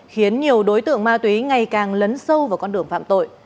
khiến nhiều đối tượng ma túy ngày càng lấn sâu vào con đường phạm tội